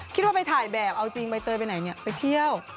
คิดว่าไปถ่ายแบบเอาจริงใบเตยไปไหนไปเที่ยว